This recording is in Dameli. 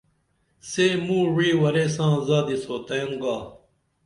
سے موں وعی ورے ساں زادی سوتئن گا